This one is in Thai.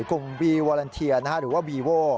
กรุงวีวอลันเทียนะฮะหรือว่าวีโว้